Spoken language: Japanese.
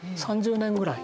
３０年ぐらい。